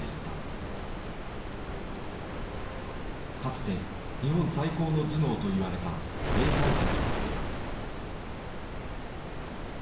かつて「日本最高の頭脳」といわれた英才たちだった。